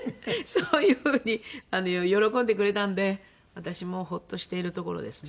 そういう風に喜んでくれたので私もホッとしているところですね。